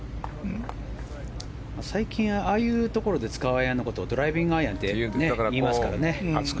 最近ああいうところで使うアイアンをドライビングアイアンって言いますからね。